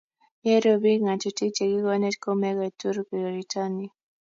ye rub biik ng'atutik che kikikonech ko muketur koroito ni